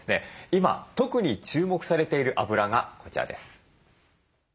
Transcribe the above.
今特に注目されているあぶらがこちらです。